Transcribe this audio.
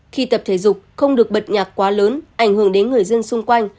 khi tập thể dục không được bật nhạc quá lớn ảnh hưởng đến người dân xung quanh